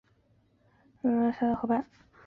利尼翁河畔勒尚邦。